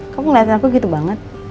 kamu ngeliat aku gitu banget